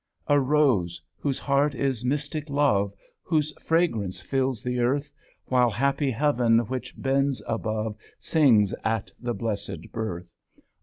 A Rose whose heart is mystic Love, Whose fragrance fills the Earth, While happy Heaven which bends above Sings at the blessed birth.